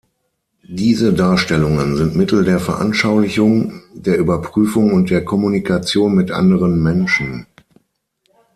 Diese Darstellungen sind Mittel der Veranschaulichung, der Überprüfung und der Kommunikation mit anderen Menschen.